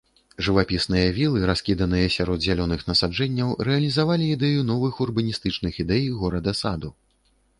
Жывапісныя вілы, раскіданыя сярод зялёных насаджэнняў, рэалізавалі ідэю новых урбаністычных ідэй горада-саду.